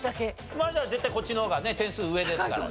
まあじゃあ絶対こっちの方がね点数上ですからね。